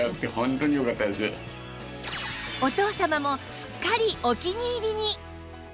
お父様もすっかりお気に入りに